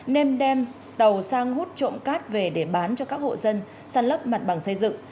nên đem tàu sang hút trộm cát về để bán cho các hộ dân săn lấp mặt bằng xây dựng